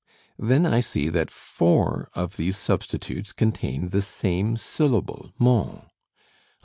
Then I see that four of these substitutes contain the same syllable mon.